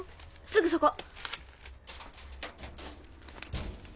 すぐそこ。